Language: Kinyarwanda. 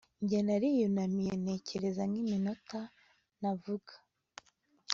Njye nariyunamiye ntekereza nkiminota ntavuga